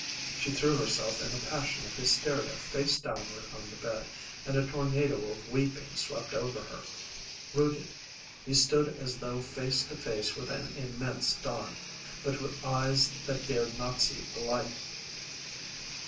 She threw herself in a passion of hysteria face downward on the bed and a tornado of weeping swept over her. Rooted, he stood as though face to face with an immense dawn, but with eyes that dared not see the light.